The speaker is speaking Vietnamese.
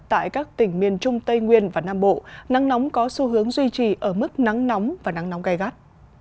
tại các tỉnh miền trung tây nguyên và nam bộ nắng nóng có xu hướng duy trì ở mức nắng nóng và nắng nóng gai gắt